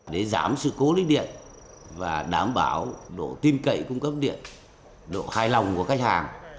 để giảm sự cố lưới điện và đảm bảo độ tin cậy cung cấp điện độ hài lòng của khách hàng